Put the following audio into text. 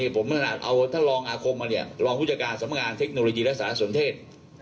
ผมถ้าลองอาคมมาลองบุจการสำมัครเทคโนโลยีและศาสนเทศ